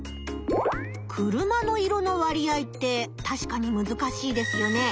車の色の割合ってたしかにむずかしいですよね。